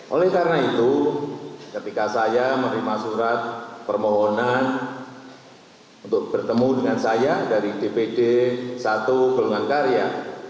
oleh karena itu ketika saya menerima surat permohonan untuk bertemu dengan saya dari dpd satu golongan karya